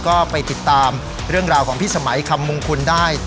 ก็ไปติดตามเรื่องราวของพี่สมัยคำมงคุณได้